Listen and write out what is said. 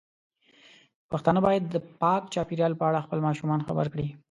پښتانه بايد د پاک چاپیریال په اړه خپل ماشومان خبر کړي.